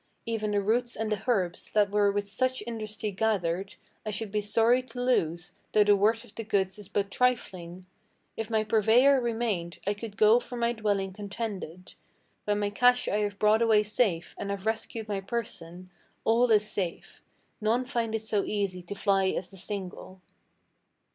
Even the roots and the herbs, that were with such industry gathered, I should be sorry to lose, though the worth of the goods is but trifling. If my purveyor remained, I could go from my dwelling contented. When my cash I have brought away safe, and have rescued my person, All is safe: none find it so easy to fly as the single."